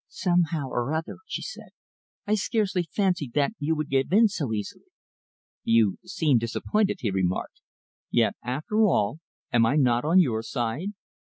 "Somehow or other," she said, "I scarcely fancied that you would give in so easily." "You seem disappointed," he remarked, "yet, after all, am I not on your side?"